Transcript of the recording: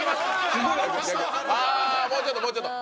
ああもうちょっともうちょっと。